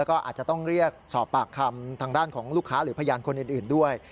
ก็อาจจะต้องเรียกสอบปากคำทางด้านของลูกค้าหรือพยานคนอื่นด้วย